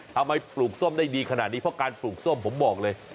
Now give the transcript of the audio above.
ปลูกส้มได้ดีขนาดนี้เพราะการปลูกส้มผมบอกเลย